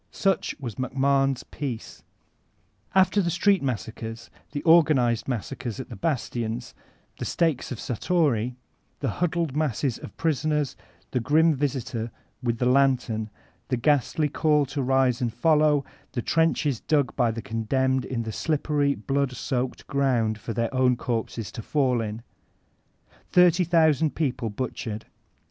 Such was MacMahon's oeace* After the street massacres, the organized massacres at the bastions, the stakes of Satory, the huddled masses of prisoners, the grim visitor with the lantern, the ghastly call to rise and follow, the trenches dug by the condemned in the slippery, blood soaked ground for their own corpses to fall in. Thirty thousand people butchered!